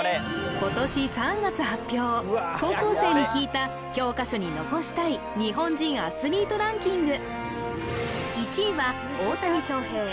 今年３月発表高校生に聞いた教科書に残したい日本人アスリートランキング